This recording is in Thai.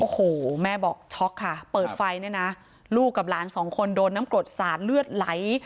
โอ้โหแม่บอกช็อกค่ะเปิดไฟเนี่ยนะลูกกับหลานสองคนโดนน้ำกรดสาดเลือดไหล